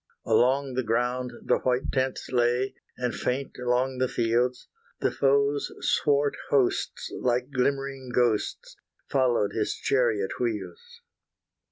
Along the ground the white tents lay; And faint along the fields. The foe's swart hosts, like glimmering ghosts, Followed his chariot wheels.